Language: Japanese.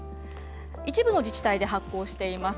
一部の自治体で発行しています。